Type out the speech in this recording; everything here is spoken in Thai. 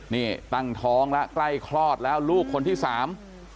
นี่ตั้งท้องแล้วใกล้คลอดแล้วลูกคนที่สาม